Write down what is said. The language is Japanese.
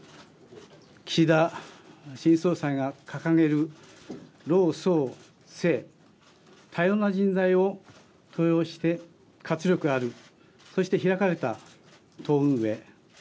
岸田新総裁が掲げる老・壮・青多様な人材を登用して、活力あるそして開かれた党運営。